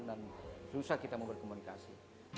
dan susah kita mau berkomunikasi